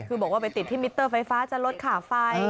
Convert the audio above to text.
คือบอกว่าไปติดที่มิเตอร์ไฟฟ้าจะลดค่าไฟ